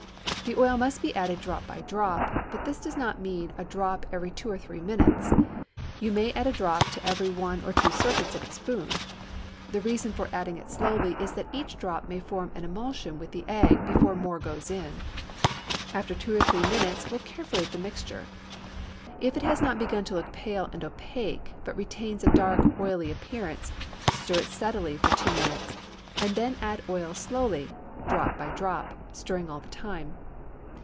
The oil must be added drop by drop, but this does not mean a drop every two or three minutes; you may add a drop to every one or two circuits of the spoon. The reason for adding it slowly is that each drop may form an emulsion with the egg before more goes in. After two or three minutes look carefully at the mixture; if it has not begun to look pale and opaque, but retains a dark, oily appearance, stir it steadily for two minutes, and then add oil slowly, drop by drop, stirring all the time.